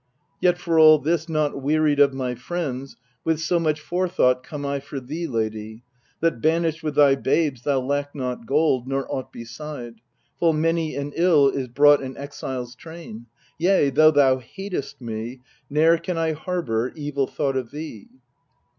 Yet, for all this, not wearied of my friends, With so much forethought come I for thee, lady, That, banished with thy babes, thou lack not gold, Nor aught beside. Full many an ill is brought In exile's train. Yea, though thou hatest me, Ne'er can I harbour evil thought of thee.